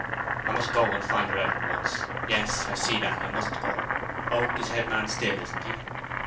"I must go and find her out at once—O yes, I see that—I must go. Oak is head man still, isn't he?"